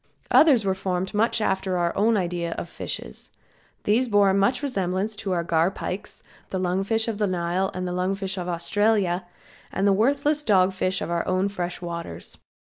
Others were formed much after our own ideas of fishes. These bore much resemblance to our garpikes, the lung fish of the Nile and the lung fish of Australia, and the worthless dog fish of our own fresh waters.